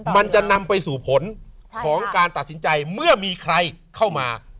มันจะนำไปสู่ผลของการตัดสินใจเมื่อมีใครเข้ามา